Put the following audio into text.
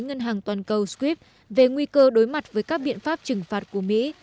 ngân hàng toàn cầu skrip về nguy cơ đối mặt với các biện pháp trừng phạt của mỹ